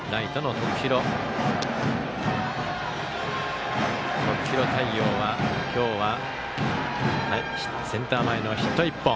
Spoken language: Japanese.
徳弘太陽は今日はセンター前のヒット１本。